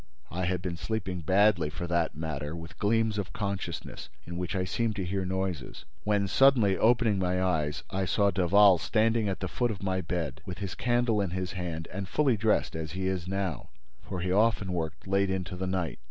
I had been sleeping badly, for that matter, with gleams of consciousness in which I seemed to hear noises, when, suddenly opening my eyes, I saw Daval standing at the foot of my bed, with his candle in his hand and fully dressed—as he is now, for he often worked late into the night.